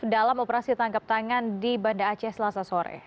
dalam operasi tangkap tangan di banda aceh selasa sore